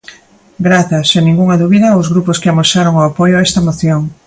Grazas, sen ningunha dúbida, aos grupos que amosaron o apoio a esta moción.